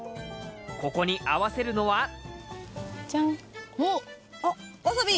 ここに合わせるのはジャンおっあっわさび！